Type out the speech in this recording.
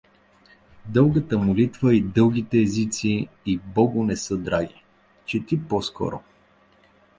Дългата молитва и дългите езици и Богу не са драги… Чети по-скоро…